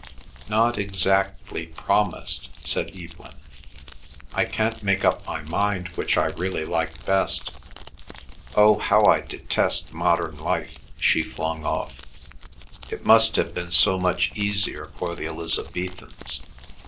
"Not exactly promised," said Evelyn. "I can't make up my mind which I really like best. Oh how I detest modern life!" she flung off. "It must have been so much easier for the Elizabethans!